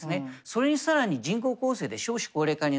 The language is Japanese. それに更に人口構成で少子高齢化になる。